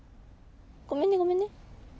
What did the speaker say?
ごめんねごめんね。